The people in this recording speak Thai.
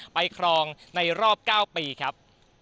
ครองในรอบ๙ปีครับ